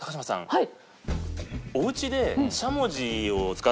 はい。